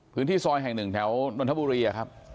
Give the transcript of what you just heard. พื้นที่ซอยแห่ง๑แถวนนทบุรีนะครับ